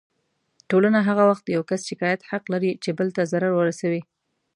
ټولنه هغه وخت د يو کس شکايت حق لري چې بل ته ضرر ورسوي.